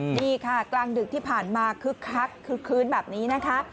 ดีค่ะกลางดึกที่ผ่านมาคึกคักคึกคื้นแบบนี้นะคะ